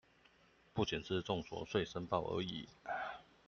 不僅是綜所稅申報而已